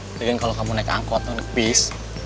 sebagian kalau kamu naik angkot atau naik bis